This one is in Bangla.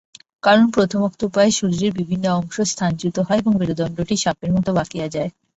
কারণ প্রথমোক্ত উপায়ে শরীরের বিভিন্ন অংশ স্থানচ্যুত হয় এবং মেরুদণ্ডটি সাপের মত বাঁকিয়া যায়।